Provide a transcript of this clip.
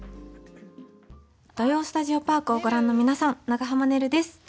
「土曜スタジオパーク」をご覧の皆さん、長濱ねるです。